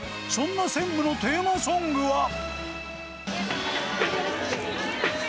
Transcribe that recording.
そんな専務のテーマソングは。